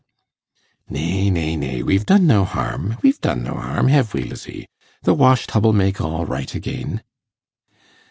'Nay, nay, nay, we've done no harm, we've done no harm, hev we, Lizzie? The wash tub'll make all right again.